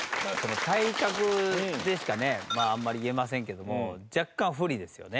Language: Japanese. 体格でしかねあんまり言えませんけども若干不利ですよね。